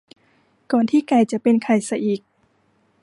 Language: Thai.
ก่อนที่ไก่จะเป็นไข่ซะอีก